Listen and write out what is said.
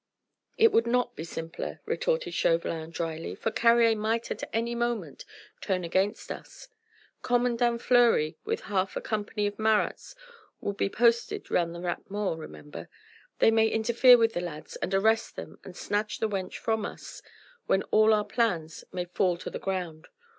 "It would not be simpler," retorted Chauvelin drily, "for Carrier might at any moment turn against us. Commandant Fleury with half a company of Marats will be posted round the Rat Mort, remember. They may interfere with the lads and arrest them and snatch the wench from us, when all our plans may fall to the ground